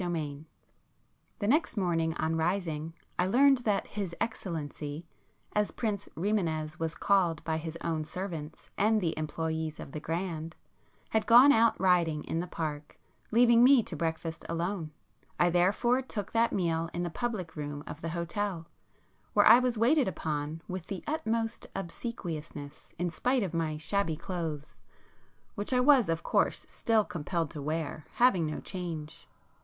[p 43]V The next morning on rising I learned that 'his excellency' as Prince Rimânez was called by his own servants and the employés of the 'Grand,' had gone out riding in the Park, leaving me to breakfast alone. I therefore took that meal in the public room of the hotel, where I was waited upon with the utmost obsequiousness, in spite of my shabby clothes, which I was of course still compelled to wear, having no change.